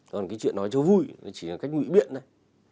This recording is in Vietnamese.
còn cái chuyện nói chỗ vui chỉ là cách ngụy biện này